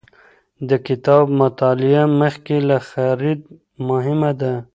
د کتاب مطالعه مخکې له خرید مهمه ده.